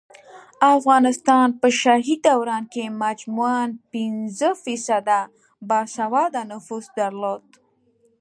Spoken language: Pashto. افغانستان په شاهي دوران کې مجموعاً پنځه فیصده باسواده نفوس درلود